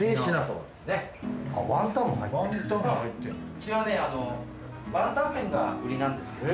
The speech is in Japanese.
うちはねワンタン麺がうりなんですけど。